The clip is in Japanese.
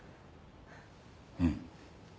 うん。